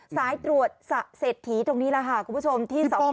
สายตรวจเสถียร์ตรงนี้ล่ะครับคุณผู้ชมที่สะพอสำรอง